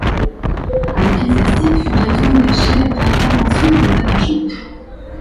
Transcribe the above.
L’ecclésiastique fut bientôt relâché, après intervention de l’état-major.